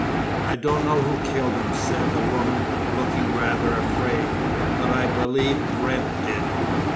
"I don't know who killed him," said the woman, looking rather afraid, "but I believe Wrent did."